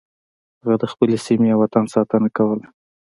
هغه د خپلې سیمې او وطن ساتنه کوله.